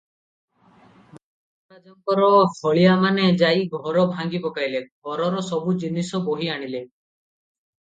ମଙ୍ଗରାଜଙ୍କର ହଳିଆମାନେ ଯାଇ ଘର ଭାଙ୍ଗି ପକାଇଲେ, ଘରର ସବୁ ଜିନିଷ ବୋହି ଆଣିଲେ ।